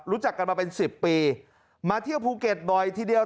รู้จักกันมาเป็นสิบปีมาเที่ยวภูเก็ตบ่อยทีเดียว